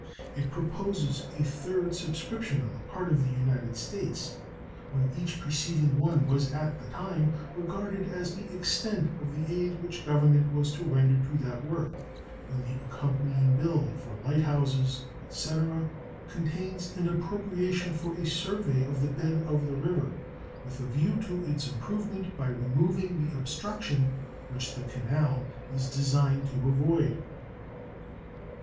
It proposes a third subscription on the part of the United States, when each preceding one was at the time regarded as the extent of the aid which Government was to render to that work; and the accompanying bill for light houses, etc., contains an appropriation for a survey of the bed of the river, with a view to its improvement by removing the obstruction which the canal is designed to avoid.